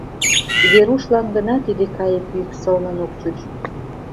Верушлан гына тиде кайык йӱк сылнын ок чуч.